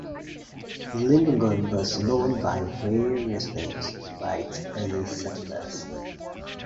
Libungan was known by various names by its early settlers.